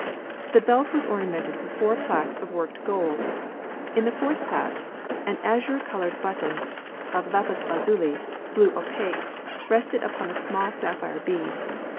The belt was ornamented with four plaques of worked gold. In the fourth class an azure coloured button of lapis lazuli blue opaque rested upon a small sapphire bead.